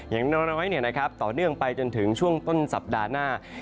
อย่างน้อยต่อเนื่องไปจนถึงช่วงต้นสัปดาห์หน้า